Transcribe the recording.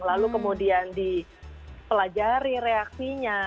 lalu kemudian dipelajari reaksinya